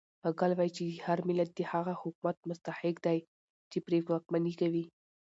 هګل وایي چې هر ملت د هغه حکومت مستحق دی چې پرې واکمني کوي.